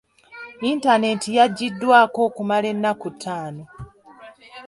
Yintaneeti yaggiddwako okumala ennaku ttaano.